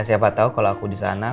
ya siapa tau kalau aku disana